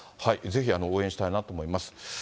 ぜひ、応援したいなと思います。